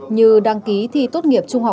như đăng ký thi tốt nghiệp trung học